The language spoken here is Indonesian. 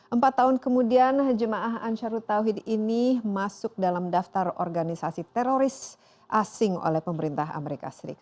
empat tahun kemudian jemaah ansarut taufid ini masuk dalam daftar organisasi teroris asing oleh pemerintah as